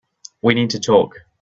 We need to talk.